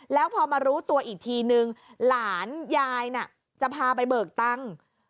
แล้วพอมารู้ตัวอีกทีนึงหลานยายน่ะจะพาไปเบิกตังค์